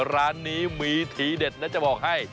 ร้านนี้มีทีเด็ดนะจะบอกให้